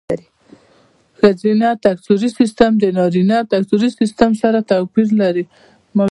ښځینه تکثري سیستم د نارینه تکثري سیستم سره توپیر لري.